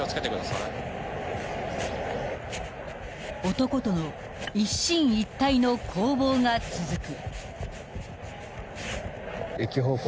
［男との一進一退の攻防が続く］